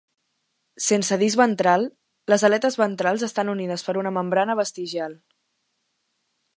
Sense disc ventral; les aletes ventrals estan unides per una membrana vestigial.